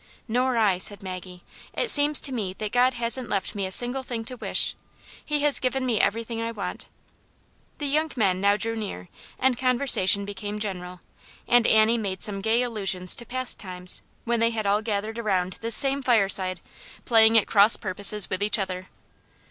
" Nor I," said Maggie. " It seems to me that God hasn't left me a single thing to wish. He has given me everything I want." The young men now drew near, and conversation became general, and Annie made some gay allusions to past times, when they had all gathered around this same fireside, playing at cross purposes with each other.